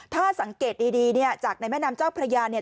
ถ้าสังเกตดีเนี่ยจากในแม่น้ำเจ้าพระยาเนี่ย